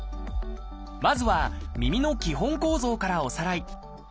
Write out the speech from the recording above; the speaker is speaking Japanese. まずは耳の基本構造からおさらい。